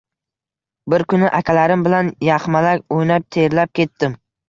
Bir kuni akalarim bilan yaxmalak o‘ynab terlab ketdim.